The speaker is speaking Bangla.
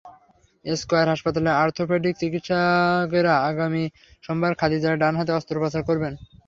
স্কয়ার হাসপাতালের অর্থোপেডিক চিকিৎসকেরা আগামী সোমবার খাদিজার ডান হাতে অস্ত্রোপচার করবেন।